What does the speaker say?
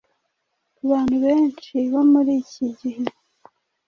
Ku bantu benshi bo muri iki gihe,